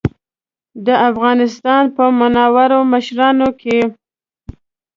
د افغانستان په منورو مشرانو کې.